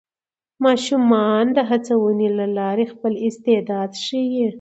ماشومان د هڅونې له لارې خپل استعداد ښيي